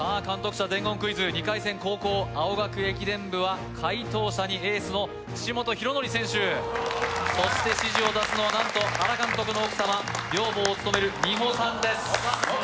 車伝言クイズ２回戦後攻青学駅伝部は解答者にエースの岸本大紀選手そして指示を出すのは何と原監督の奥様寮母を務める美穂さんです